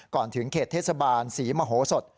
ก่อนถึงเขตเทศบาลศรีมโหสด